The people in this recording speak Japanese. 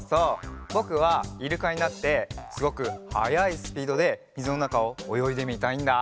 ぼくはイルカになってすごくはやいスピードでみずのなかをおよいでみたいんだ！